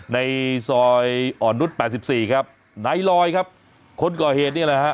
ในซอยอ่อนนุษย์๘๔ครับนายลอยครับคนก่อเหตุนี่แหละฮะ